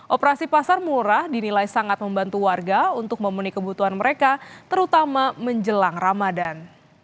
operasi pasar murah dinilai sangat membantu warga untuk memenuhi kebutuhan mereka terutama menjelang ramadan